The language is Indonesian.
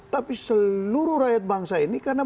tapi seluruh rakyat bangsa ini karena